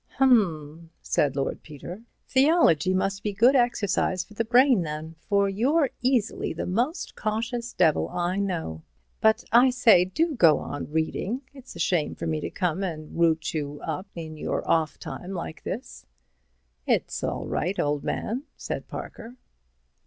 "Hum," said Lord Peter, "theology must be good exercise for the brain then, for you're easily the most cautious devil I know. But I say, do go on reading—it's a shame for me to come and root you up in your off time like this." "It's all right, old man," said Parker.